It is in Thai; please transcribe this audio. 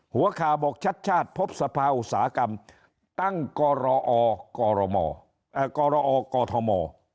หัวขาบอกชัดพบสภาโอสากรรมตั้งกรอกธม